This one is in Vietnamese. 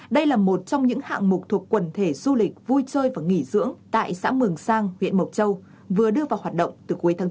đây là một trong những hạng mục thuộc quần thể du lịch vui chơi và nghỉ dưỡng tại xã mường sang huyện mộc châu vừa đưa vào hoạt động từ cuối tháng bốn